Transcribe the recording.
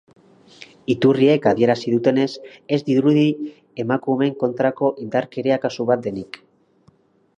Iturriek adierazi dutenez, ez dirudi emakumeen kontrako indarkeria kasu bat denik.